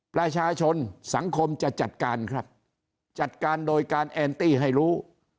ประชาชนสังคมจะจัดการครับจัดการโดยการแอนตี้ให้รู้